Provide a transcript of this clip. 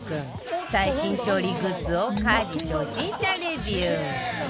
最新調理グッズを家事初心者レビュー